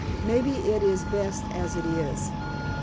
Maybe it is best as it is."